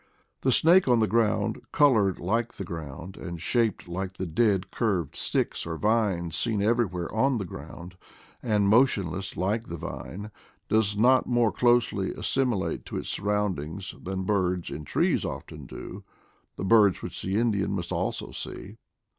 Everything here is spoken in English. The snake on the ground, colored like the ground, and shaped like the dead curved sticks 172 IDLE DATS IN PATAGONIA or vines seen everywhere on the ground, and mo tionless like the vine, does not more closely as similate to its surroundings than birds in trees often do — the birds which the Indian must also see.